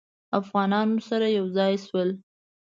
اوغانان ورسره یو ځای شول.